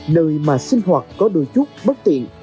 nơi mà sinh hoạt có đôi chút bất tiện